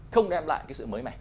không đem lại cái sự mới mẻ